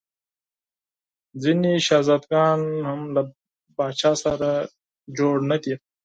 ځیني شهزاده ګان هم له پاچا سره جوړ نه دي.